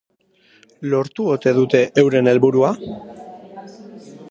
Lortu ote dute euren helburua?